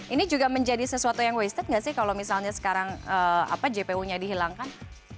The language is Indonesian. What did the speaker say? ini juga menjadi sesuatu yang wasted nggak sih kalau misalnya sekarang jpu nya dihilangkan